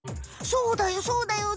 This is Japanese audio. そうだよそうだよ。